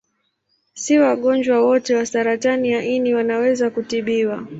Si wagonjwa wote wa saratani ya ini wanaweza kutibiwa.